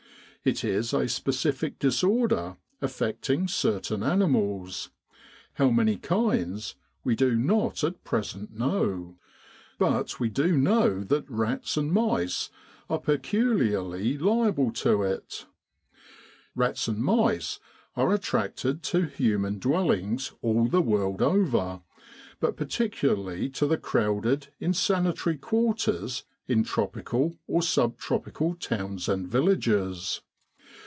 It is a specific disorder affecting certain animals, how many kinds 184 Epidemic Diseases we do not at present know ; but we do know that rats and mice are peculiarly liable to it. Rats and mice are attracted to human dwellings all the world over, but particularly to the crowded, insanitary quarters in tropical or sub tropical towns and villages.